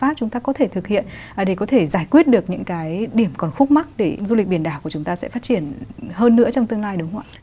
pháp chúng ta có thể thực hiện để có thể giải quyết được những cái điểm còn khúc mắt để du lịch biển đảo của chúng ta sẽ phát triển hơn nữa trong tương lai đúng không ạ